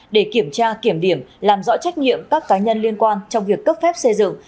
để kiểm tra kiểm điểm làm rõ trách nhiệm các cá nhân liên quan trong việc cấp phép xây dựng